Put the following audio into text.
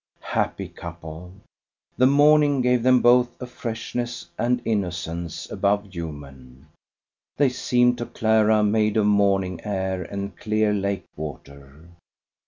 Happy couple! The morning gave them both a freshness and innocence above human. They seemed to Clara made of morning air and clear lake water.